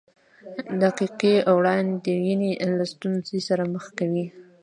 دقیقې وړاندوینې له ستونزو سره مخ کوي.